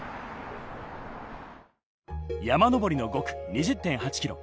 山上りの５区・２０．８ｋｍ。